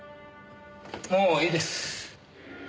もういいです。